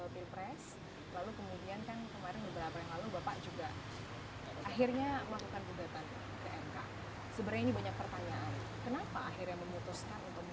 lagi banyak pertanyaan kenapa akhirnya memutuskan